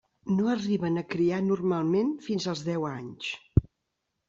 No arriben a criar normalment fins als deu anys.